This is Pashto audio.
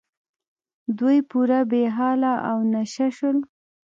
دوی پوره بې حاله او نشه شول.